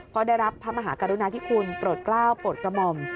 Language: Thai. ก็ได้รับพระมหาการุณาที่คุณปรดเกล้าปรดกม่อม